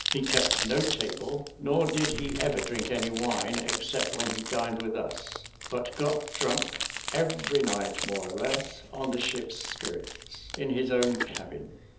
He kept no table, nor did he ever drink any wine, except when he dined with us; but got drunk every night, more or less, on the ship's spirits, in his own cabin.